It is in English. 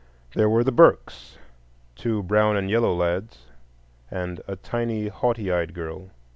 There were the Burkes,—two brown and yellow lads, and a tiny haughty eyed girl.